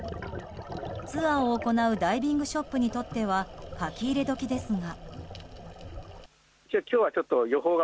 ツアーを行うダイビングショップにとっては書き入れ時ですが。